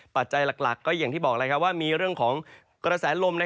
ปัจจัยหลักก็อย่างที่บอกว่ามีเรื่องของกระแสลม